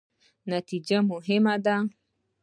نتیجه مهمه ده